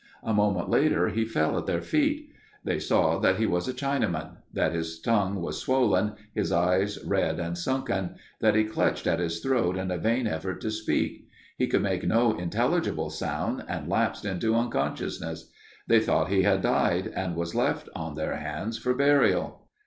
A moment later he fell at their feet. They saw then that he was a Chinaman; that his tongue was swollen, his eyes red and sunken; that he clutched at his throat in a vain effort to speak. He could make no intelligible sound and lapsed into unconsciousness. They thought he had died and was left on their hands for burial.